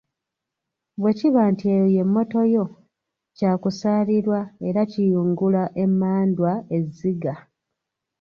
Bwe kiba nti eyo ye “mmoto” yo, kyakusaalirwa era kiyungula emmandwa ezziga!